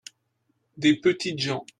des petites gens.